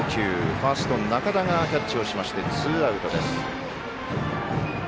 ファースト、仲田がキャッチしてツーアウトです。